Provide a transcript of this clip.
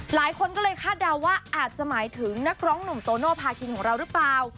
หลายคนก็เลยคาดเดาว่าอาจจะหมายถึงนักร้องหนุ่มโตโนภาคินของเราหรือเปล่า